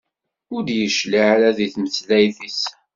Ur d-yecliε ara deg tmeslayt-is.